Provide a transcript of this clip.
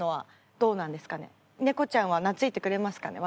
猫ちゃんは懐いてくれますかね？